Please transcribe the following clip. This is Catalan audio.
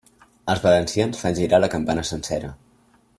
Els valencians fan girar la campana sencera.